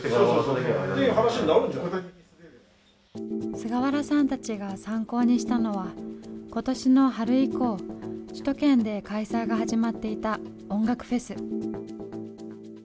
菅原さんたちが参考にしたのは今年の春以降首都圏で開催が始まっていた音楽フェス。